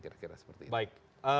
kira kira seperti itu